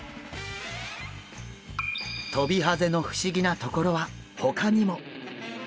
トビハゼの不思議なところはほかにも！